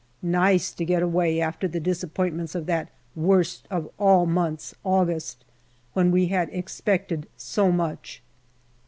Nice to get away, after the disappointments of that worst of all months, August, when we had expected so much.